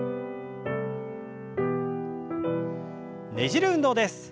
ねじる運動です。